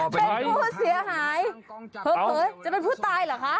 เป็นผู้เสียหายเผลอจะเป็นผู้ตายเหรอคะ